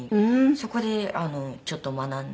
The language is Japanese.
そこでちょっと学んで。